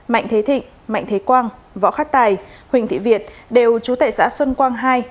mạnh thế thịnh mạnh thế quang võ khắc tài huỳnh thị việt đều chú tệ xã xuân quang hai